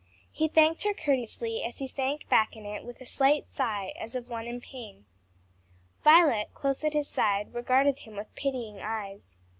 He thanked her courteously as he sank back in it with a slight sigh as of one in pain. Violet, close at his side, regarded him with pitying eyes.